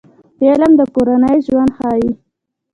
فلم د کورنۍ ژوند ښيي